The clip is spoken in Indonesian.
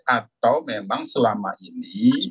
atau memang selama ini